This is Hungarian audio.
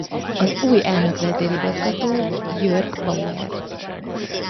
Az új elnök-vezérigazgató Jörg Bauer.